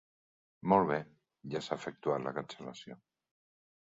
Molt bé, ja s'ha efectuat la cancel·lació.